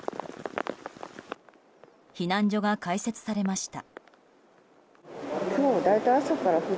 避難所が開設されました。